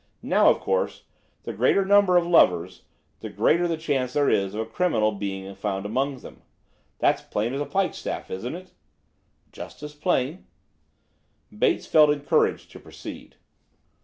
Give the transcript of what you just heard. Now, of course, the greater the number of lovers, the greater the chance there is of a criminal being found among them. That's plain as a pikestaff, isn't it?" "Just as plain." Bates felt encouraged to proceed.